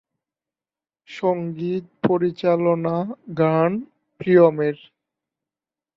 সঙ্গীত পরিচালনা গান প্রিয়মের।